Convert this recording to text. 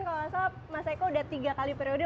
kalau masa mas eko udah tiga kali periode